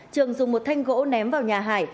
trường dùng một thanh gỗ ném vào nhà hải